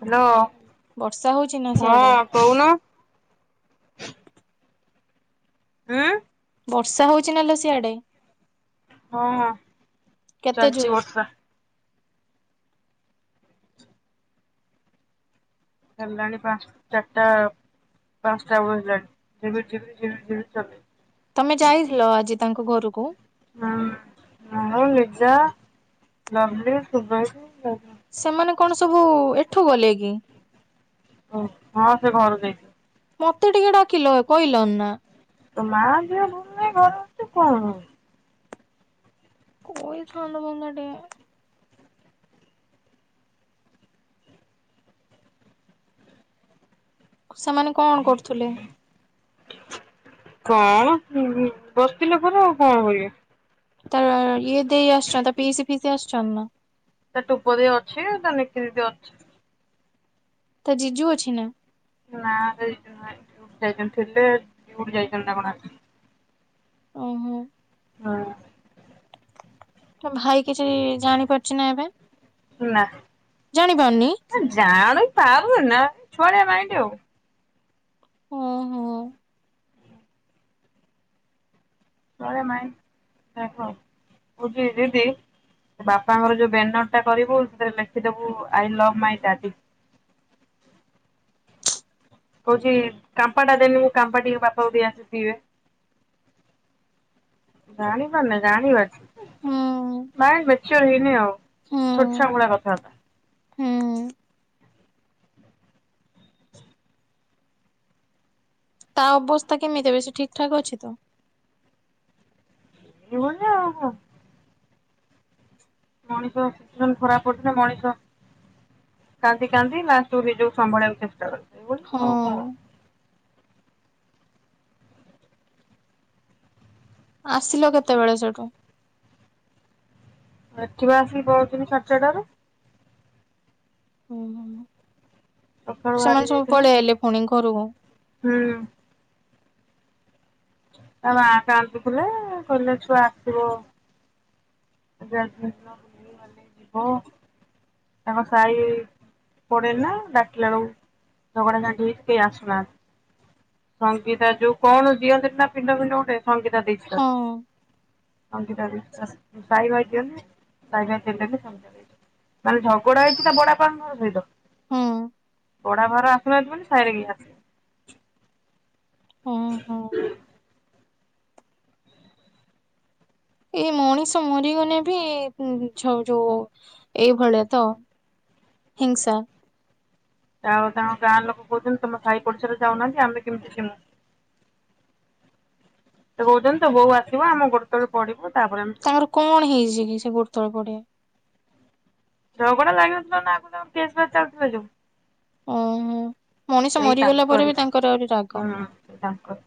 Hello ବର୍ଷା ହଉଛି ନା ହଁ ସିଆଡେ କହୁନ । ଆଁ । ବର୍ଷା ହଉଛି ନା ଲୋ ସିଆଡେ ହଁ ହଁ। କେତେ ଚାନଚି ଜୋର ବତ୍ରା । ହେଲାଣି, ପାଞ୍ଚ, ଚାରିଟା, ପାଞ୍ଚଟା ବେଳୁ ହେଲାଣି, ଝିପି ରି, ଝିପି ରି, ଝିପି ରି ଚଲେଇଛି ୲ ତମେ ଯାଇଥିଲ, ଆଜି ତାଙ୍କ ଘରକୁ? ହଁ, ମୁଁ ଲିଜା, ଲଭଲି, ସୁଭ ସେମାନେ କଣ, ସବୁ ଏଠୁ ଗଲେ, କି? ଓ, ହଁ ସେ, ଘରୁ ଯାଇଛ ମତେ, ଟିକେ ଡାକିଲ, କହିଲନ ନା ୲ ତ ମା ଦିଅ ଭୁଲରେ ଘର ଅଛି କଣ କୋଇ ଥା ଲ ମଙ୍ଗ ଟ ସେମାନେ କଣ, କରୁଥିଲେ? କଣ, ବସି ଥିଲେ ଉପରେ ୲ଆଉ କଣ, କରିବେ? ତା, ଇଏ ଦେଇ ଆସିଛନ୍ତି ୲ତା ପିଇସି, ଫିଇସି ଆସିଛନ୍ତି, ନା? ତା ଟୋପ ଦେଇ, ଅଛି ତା, ନିକି ଦିଦି, ଅଛି ୲ ତା, ଜିଜୁ ଅଛି ନା? ନାଠ ଯାଇଛନ୍ତି ଥିଲେଠ ଯାଇଛନ୍ତି ନା କଣ ଆସି ଓହୋ ୲ ହଁ, ତମ, ଭାଇ କିଛି ଜାଣିପାରୁଛି, ନା ଏବେ? ନା, ଜାଣିପାରୁନି ଜାଣୁ ପାରୁଏନା, ଛୁଆ ଳିଆ ମାଇଣ୍ଡ, ଆଉ ହଁ, ହଁ କହୁଛି, ଦିଦି ବାପାଙ୍କର ଯୋଉ ବ୍ୟାନର ଟା, କରିବୁ ସେଥିରେ ଲେଖିଦବୁ, ଆଇ ଲୋଭ ମାଇଁ, ଡାଡି ୲ କହୁଛି, କାମ୍ପାଟା ଦେନି, ମୁଁ କାମ୍ପା ଟିକେ ବାପାକୁ, ଦେଇ ଆସେ ଟିକେ ୲ ଜାଣି ପାରୁନି, ଜାଣି ପାରୁଛି ୲ ହୁଁ ମାଇଣ୍ଡ, ମ୍ୟାଚର ହେଇନି ଆଉ, ହୁଁ ଛୋଟ ଛୁଆ ଭଳି, କଥାବାର୍ତା ୲ ହୁଁ, ତା ଅବସ୍ଥା, କେମିତି ଏବେ? ସେ ଠିକ୍, ଠାକ୍ ଅଛି ତ? ଏଉ ମଣିଷ, ସିଚୁଏସନ୍ ଖରାପ, ପଡିଥିଲେ ୲ ମଣିଷ କାନ୍ଦି, କାନ୍ଦି, ଲାଷ୍ଟ କୁ ନିଜକୁ ସମ୍ଭାଳିବାକୁ, ଚେଷ୍ଟା କରେ ୲ ହଉ ହଁ ଆସିଲ କେତେବେଳେ, ସେଠୁ? ଏଠି, ବା ଆସିକି ପହଞ୍ଚିଲି, ସାଢେ ଚାରିଟା ରେ ୲ ହୁଁ, ହୁଁ ସକାଳୁ ବାହାରି ସେମାନେ, ସବୁ ଯାଇଥିଲି। ପଳି ଆଇଲେ, ଫୁଣି? କର ହୁଁ, ତା ମା କାନ୍ତିୁଥିଲେ କହିଲେ ଛୁଆ ଆସିବ ଗ ଯିବ ତାଙ୍କ ସାହି ପଡେଇ ନା ଡାକିଲା ବେଳକୁ ଝଗଡା ଝାଟି ହେଇ କେହି ଆସୁନାହାନ୍ତି ସଙ୍ଗୀତା ଯୋଉ, କଣ ଦିଅନ୍ତି ନା ପିଣ୍ଡ, ଫିଣ୍ଡ ଗୋଟେ? ସଂଙ୍ଗୀତା, ଦେଇଛି ତା ହଁ ସାଇ ଭାଇ ଦିଅନ ସାଇ ଭାଇ ନହେଲେ ଝଗଡା ହେଇଛି ତା ବଡାପଙ୍କ ଘର ସହିତ ହୁଁ। ବଡା ଘର ଆସୁନହାଥ ବୋଲି ସାହିରେ କେ ଆସ ହୁଁ ହୁଁ ଏଇ, ମଣିଷ ମରିଗଲେ ବି, ଯୋଉ ଏଇଭଳିଆ ତ, ହିଂସା ୲ ଆଉ ତାଙ୍କ ଗାଁ ଲୋକ କହୁଛନ୍ତି, ତମ ସାହି ପଡିଶାରେ ଯାଉନାହାନ୍ତି ୲ ଆମେ, କେମିତି ଜୀମୂ? ମତେ କହୁଛନ୍ତି, ତୋ ବୋଉ ଆସିବ, ଆମ ଗୋଡ ତଳେ ପଢିବ ୲ ତାଙ୍କର କଣ ହେଇଛି କି ସେ ଗୋଟ ତଳେ ପଡିଆ ରଗଡା ଲାଗିଥିଲା ନା ଆଗ ବା ଚାଥିଲା ଯୋଉ ଓହୋ ମଣିଷ ସେଇ ମରିଗଲା ପରେ ତାଙ୍କରି। ବି ତାଙ୍କର ଆହୁରି ରାଗ। ହୁଁ ତାଙ୍କ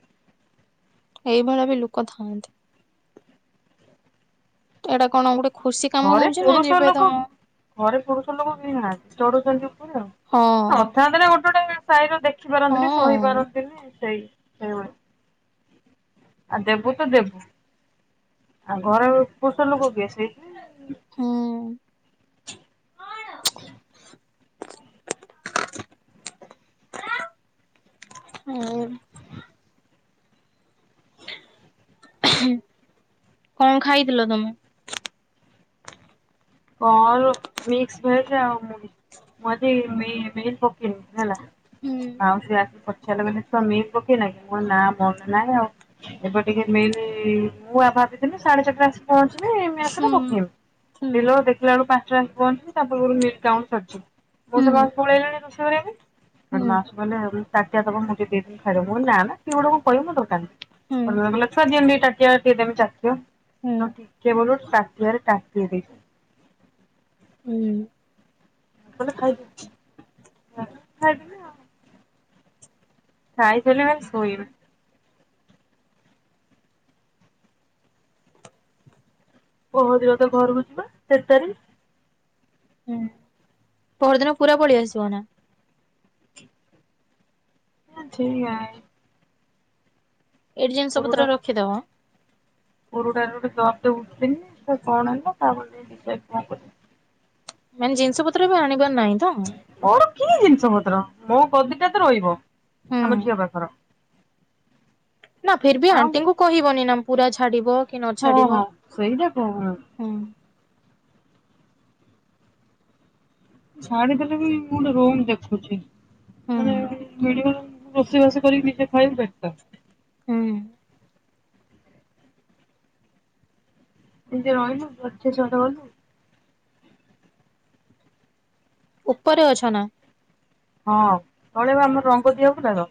ଏଇଭଳି ବି ଲୋକ ଥାଆନ୍ତି। ଏଇଟା କଣ ଗୋଟେ ଖୁସି କାମ ଘରେ ହଉଛି ନା ପୁରୁଷ ଯିବେ ଲୋକ ତମ ଘରେ ପୁରୁଷ ଲୋକ ବି ନାହାନ୍ତି ଚଢୁଛନ୍ତି। ହଁ ଆ ଅଚାତ ଗୋଟେ ଛଟ ସ ଦେଖ ଶଖିପାରନ୍ତିନି ହଁ। ଶୁଣିପାରନ୍ତିନି। ସେଇ ସେଇଭଳି ଆଉ ଦେବୁ ତ ଦେବୁ ଆଉ ଘରେ ପୋଷ ଲୋକ ବିଏ। ହୁଁ [inaudible] ଆ କଣ ଖାଇଥିଲ ତମ ମିକସ ଭେଜ ମ ମ ମେନ ପକି ହେଲା। ହୁଁ ମାଉ ସେ ଆସି ଲ ଦେଖ ମିଲ୍ ପକେଇ ନଁ କି ମୋ ନାଁ ମନ ନାହିଁ ଆଉ ଏବେ ଟିକେ ମିଲ୍ ମୁଁ ଆ ଭାବିଥିଲି ସାଢେ ଚାରିଟା ଆସି ପହଞ୍ଚି ହୁଁ ହୁଁ ତୁମସ ପକମ ଦେଖିଲା ବେକୁ ପାଟାସ ପହଞ୍ଚୁି ତାର ମାଉଟ ସରିଛି ମୋ ସେସ ହୁଁ ସବୁଳେଇଲିଣି ରୋଷେଇ କରରେ ଏଟ ହୁଁ। ମାସ ଭଲେ ଆ ତାିା ଦେବ ମୁଁ ଟିକ ଦେଇଦିନି ଖାଇବ ନା ସେ ଗୋେ କଙ୍କୁ କହିବୁ ହୁଁ ଦୋକାନରେ ଲ ସଜି ଚାମ ଚାଚ ହୁଁ ସ ଠିକ କିଏ ବୁ ସାଧ୍ୟରେ କାକି ଦେ ହୁଁ। କଲେ ଖାଇବ। [inaudible] ସାଇ ଚଲିବ ଶୋଇଲ କହ ଦିବ ତେ ଘରକୁ ଯିବା ସେତ ତାରିଖ ପରରଦିନ ପୁରା ପଳେଇ ଆସିବ ନା। ହଁ ସେଇଆ। ଏଇଠି ଜିନିଷ ପତ୍ର ରଖିଦବ ପୁରୁଡାାରେ ଗୋଟେ ଦରଟ ଉଠନି ସେ କଣ ହେଲା ତାପଡି କଣ କରି ମାନ ଜି ଜଛ ପତ୍ର ବି ଆଣିବାର ନାହିଁ ତ ମୋର କି ଜିନିଷ ପତ୍ର ମୋ କଦିଟା ତ ରହିବ। ଆମେ ଯ ପାଖର ନା ଫର ବି ଆଉ ଆଣ୍ଟିଙ୍କୁ କହିବନି ନା ପୁରା ଛାଡ଼ିବ। ହଁ ହଁ ସେଇଟା [unintelligible] ହୁଁ ଛାଡିଦେଲେ ବି ମୁଁ ଗୋଟେ ରୋମ ଦେଖୁଚି। ହୁଁ [unintelligible] ରୋଷେଇ ବାସ କରିକୁ ନିଜେ ଖାଇ ବେଟର। ହୁଁ। ନିଜେ ରହଲୁ ଯୁଆଡେ ଇଛା ସିଆଡେ ଗଲୁ। ଉପରେ ଅଛ ନା। ହଁ ତଳେ ଆମର ରଙ୍ଗ ଦିଆହୋଇଥିଲା ତ।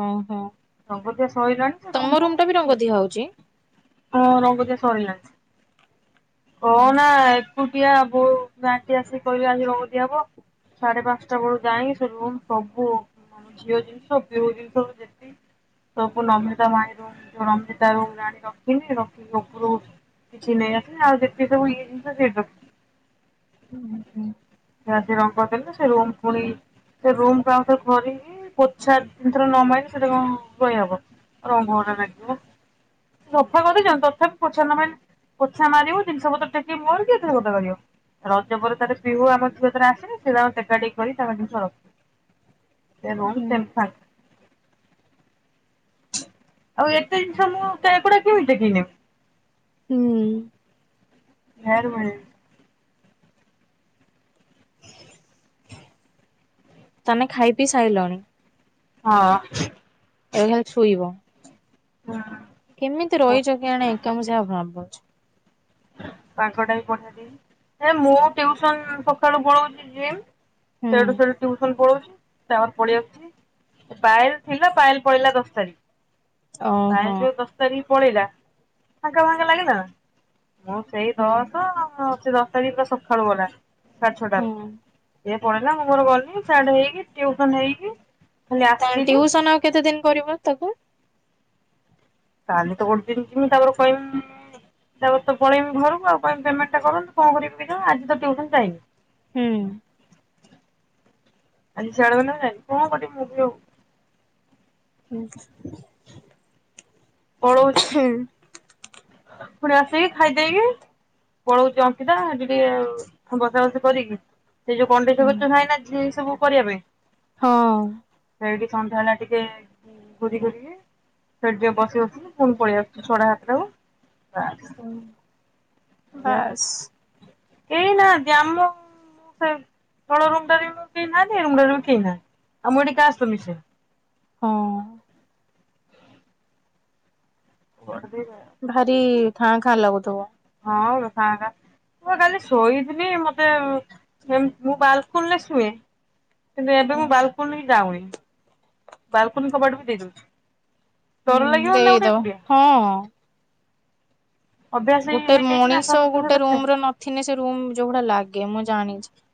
ଓହୋ। ରଙ୍ଗଦିଆ ସରିଲାଣି ଯେ ର ଇ ତମ ରୁମ ଟା ବି ରଙ୍ଗ ନାଇ ଦିଆ ହଉଛି ହଁ ରଙ୍ଗଦିଆ ସରିଲାଣି। ଓ ନା। ଏଟିଆ ଆବଟି ଆସିକି କହି ଆଜି ରଗଦିଆ ହବ ସାଢେ ପାଞ୍ଚଟା ବେଳୁ ଯାଇ ସେ ରୁମ ସବୁ ଝିଅ ଜିନିଷ ପିଉ ଜିନିଷ ଯେତିକି ସବୁ ନମିତା ଭାଇ ରୁମ ରମିତା ରୁମ ଜାଣି ରଖିନି ରଖିକି ଉପରୁ କିଛି ନେଇ ଆ ଆ ଦେଖି ତଏ ଫ ରଖ ସଶ ରାମ। ସେ ରୁମ୍ ପୁଣି ସେ ରୁମ କ ଆଉ ରେ ଧରିକି ପୋଛା ଜିନିଷରେ ନ ମାରି ସେଟା କଣ ରହିହବ ରଙ୍ଗରେ ଲାଗିବ ସଫା କରିେଇ ତଥାପି ପୋଛା ନ ମାଇନି। ଛ ମାରିବ ଜିନିଷ ପତ ଟେକି ମୋର କି ଏେ ଗତ କରିବ। ରଜ ବରତରେ [unintelligible] ଆମର ଆସିଲି ସୋ ଟୋଟେ କରି ତାଙ୍କ ଜିନିଷ ରଖ ସେନ ହୁଁ ସେମପ ଆଉ ଏତେ ଜିନିଷ ମୁଁ ଏକୁଡା କିମିତି କିଣିବି ହୁଁ। ଘରବେଳି। ତାମେ ଖାଇ ପିଇ ସାରିଲଣି। ହଁ। ଏବେ ଖାଲି ସୋଇବ। କେମିତି ହୁଁ ରହିଛ କି କେଆନି ଏକା ମୁଁ ସେହା ଭାବୁ ପାଗଟା ପଠେଇଦି ହେ ମୁଁ ସନ ସଖଳୁ ପଳଉଛି ଜ ହୁଁ ସେଠୁ ସେଠୁ ଟ୍ୟୁସନ ପଲୋଉଛି। ସେମର ପଳେଇଆସଛି ପାଏଲ ଥିଲା ପାଏଲ ପଳେଇିଲା ଦଶ ତାରିଖ ପାୟଲ ଓହୋ ପଳେଇଲା ଦଶ ତାରିଖ। ପଳେଇ ଫାଙ୍କା ଫାଙ୍କା ଲାଗିଲ। ସେଇ ହୁଁ ଦଶ ଦଶ ତାରିଖରେ ସକାଳୁ ଗଲା। ସାଢ଼େ ହୁଁ ଛଅଟାରେ। ପଢିଲା ମୁଁ ଘର ଗଲି ସାଡେ ହେଇକି ଟିୟୁସନ ହେଇକି, ତା ଆସିଲି ଟିଉସନ ଆଉ କେତେ ଦିନ କରିବ ତାକୁ କାଲି ତ ଗୋଟେ ଦିନ ଯମି ତାପରେ କହି ତାପରେ ତ ପଳେଇମି ଘରକୁ ଆଉ କି ପେମେଣ୍ଟ ଟା କରନ୍ତୁ କଣ କରିବି ଆଜି ତ ଟଟିଉସନ ଯାଇନି। ହୁଁ ଆଜି ସିଆଡେ ଗଲୁନା ନାହିଁ କଣ କରିବି ମୁଁ ବି ଆଉ ହୁଁ, ପଳଉଛି ହୁଁ, ପୁଣି ଆସିକି ଖାଇଦେଇକି ପଳଉଛି ଅଙ୍କିତା ଟିକିଏ ବସା ବସି କରିକି ସେଇ ଯଉ କଣ୍ଢେଇ [unintelligible] ସବୁ କରିବା ପାଇଁ। ହଁ, ସେଇଠି ସନ୍ଧ୍ୟା ରେ ଟିକେ ଘୁରି ଘୁରିକି ସେଠି ଟିକେ ବସି ବସିକି ପୁଣି ପଳେଇ ଆସଛି ଛଟା ସାତଟା କୁ ହୁଁ, ବାସ୍, କେ ନାହାନ୍ତି ଆମ ସେ ତଳ ରୁମ୍ ଟାରେ ବି ମୁଁ କେହି ନାହାନ୍ତି ଏ ରୁମ୍ଟା ରେ ବି କେହି ନାହାନ୍ତି ଆଉ ମୁଁ ଏଠି କାସହିତ ମିଶେ। ହଁ, [unintelligible] ଭାରି ଖାଁ ଖାଁ ଲାଗୁଥିବ। ହଁ ଖାଁ ଖାଁ ମୁ କାଲି ଶୋଇଥିଲି ମତେ ସେମ୍ ମୁଁ ବାଲକୋନି ରେ ଶୁଏ। କିନ୍ତୁ ଏବେ ମୁଁ ବାଲକୁନି ଯାଉନି ବାଲକୁନି କବାଟ ବି ଦେଇ ଦଉଛି। ହୁଁ ଦେଇଦଉ ହଁ ଅଭ୍ୟାସ ହେଇ ଗୋଟେ ହେଇଯାଇଛି ନା ମଣିଷ ସମସ୍ତଙ୍କ ସହିତ ଗୋଟେ ଶୋଇବା ରୁମ ରେ ନଥିନେ ସେ ରୁମ ଯୋଉ ଗୁଡା ଲାଗ୍ କେ ମୁଁ ଜାଣିଛି ।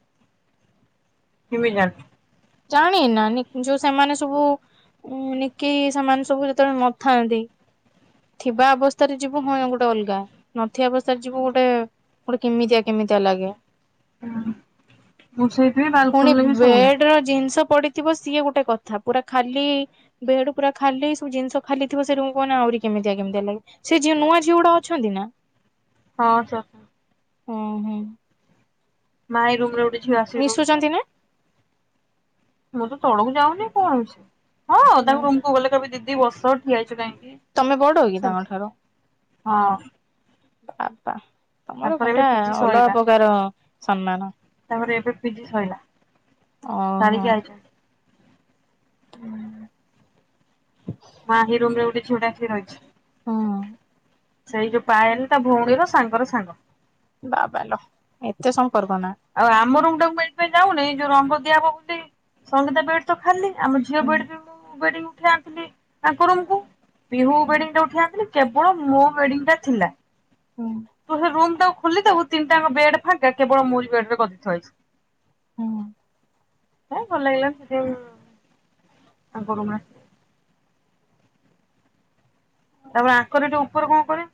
କିମିତି ଜାଣିଲୁ? ଜାଣି ନା ନି ଯୋଉ ସେମାନେ ସବୁ ଉ ନିକି ସେମାନେ ସବୁ ଯେତେବେଳେ ନଥାନ୍ତି ଥିବା ଅବସ୍ଥାରେ ଯିବୁ ହଁ ଗୋଟେ ଅଲଗା ନଥିବା ଅବସ୍ଥାରେ ଯିବୁ ଗୋଟେ ଗୋଟେ କେମିତିଆ କେମିତିଆ ଲାଗେ ହୁଁ ମୁଁ ସେଇଥି ପୁଣି ବାଲକୁନିରେ ସୋଉନି। ବେଡ ର ଜିନିଷ ପଡିଥିବ ସିଏ ଗୋଟେ କଥା ପୁରା ଖାଲି ବେଡ ପୁରା ଖାଲି ସବୁ ଜିନିଷ ଖାଲି ଥିବ ସେ ରୁମ୍ କୁହନା ଆହୁରି କେମିତିଆ କେମିତିଆ ଲାଗେ ସେ ଯେଉ ନୂଆ ଝିଅ ଗୁଡା ଅଛନ୍ତି ନା? ହଁ ଅଛନ୍ତି। ହୁଁ ହୁଁ, ମା ଏ ରୁମ୍ ରେ ଗୋଟେ ଝିଅ ଆସିକି ରହୁଛି ମିଶୁଛନ୍ତି ନା? ମୁଁ ତ ତଳକୁ ଯାଉନି କଣ ଅଛି। ହଁ ହୁଁ ତାଙ୍କୁ ରୁମକୁ ଗଲେ କବି ଦିି କି ବସ ଠିଆହେଇଚ କାହିଁକି ତମେ ବଡ କି ତାଙ୍କ ସେମିତି। ଠାରୁ? ହଁ ଆ ବାପା ତମର ତାଙ୍କର ରୁମ୍ ଏବେ ଟା ପିଜି ଅଲଗା ସଇଲା ପ୍ରକାର ସମ୍ମାନ ରେ ଏବେ ପିଜି ସଇଲା। ଓହୋ। ସାରିକି ଆଇଛନ୍ତି। ହୁଁ। ମାହି ରୁମ ରେ ଗୋଟେ ଝିଅଟେ ଆସିକି ରହିଛି। ହଁ। ସେଇ ଯୋଉ ପାଏଲ ତା ଭଉଣୀ ର ସାଙ୍ଗର ସାଙ୍ଗ। ବାଵାଲୋ ଏତେ ସଂଖ ଆଉ ଆମ ରୁ ମୁ ତ ଏଇଥିପାଇଁ ଯାଉନି ଯୋଉ ରଙ୍ଗ ଦିଆ ବହୁଛି ସଙ୍ଗୀତା ବେଟ ତ ଖାଲି ଆମ ଝିଅ ହୁଁ ବ [unintelligible] [unintelligible] ତାଙ୍କ ରୁମ କୁ ବିିହୁ ହୁଁ ବେଡିଂ ଯଉଠି ଆସିଲି। କେବଳ ମୋ ୱେଡିଙ୍ଗ ଟା ଥିଲା। ହୁଁ। ତୁ ସେ ରୁମ ଟାକୁ ଖୋଲିଦବୁ ତିନିଟା ବେଡ ଫାଙ୍କ କେବଳ ମୁୋ ବେଡ ରେ ଗଦି ଥୁଆ ହେଇଚି। ହୁଁ। ହେ ଭଲ ଲାଗିଲାନି ସେ ତାଙ୍କ ରୁମରେ। ତାପରେ ଆଙ୍କର ଯଉ [unintelligible]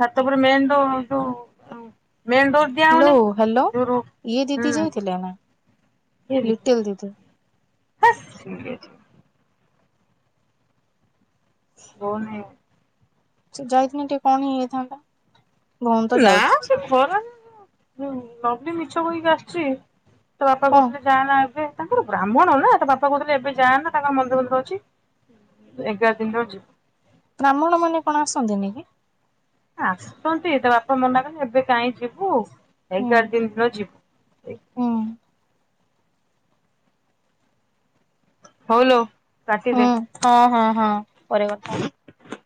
ଛାତ ଉପରେ ମେନ ଡୋର ଯୋଉ ଦିଆ ହାଲୋ ହଉନି ହାଲୋ ରୁ ଇଏ ହୁଁ ଦିଦି ଯାଇଥିଲେ ନା ଲିଟଲି ଦିଦି? ହାସ୍ ସିଏ ଜି ହୁଉନି। ସେ ଯାଇିଥିଲେ ଟିକେ କଣ ହେଇଯାଇଥାନ୍ତା? ଭଉଣୀ ତ ନା ଯାଉଛି ସେ ଖରାରେ ହୁଁ ନବି ମିଛ କହିକି ଆସଛି। ତା ବାପା କଣ କୋଉଥିଲେ ଯାନା ଏବେ ତାଙ୍କର ବ୍ରାହ୍ମଣ ନା ତା ବାପା କହୁଥିଲେ ଏବେ ଯାଆ ନା ତାଙ୍କ ମନ୍ଦିର ଫନ୍ଦିର ଅଛି ଏଗାର ଦିନରେ ଯିବୁ। ବ୍ରାହ୍ମଣ ମାନେ କଣ ଆସନ୍ତିନି କି? ଆଁ ଆସୁଛନ୍ତି ତ ବାପା ମନା କଲେ ଏବେ କାହିଁ ଯିବୁ ହୁଁ ଏଗାର ଦିନ ର ଯିବୁ। ହୁଁ ହଉଲୋ ହୁଁ କାଟିଦେ। ହଁ ହଁ ହଁ ପରେ କଥା ହଉ।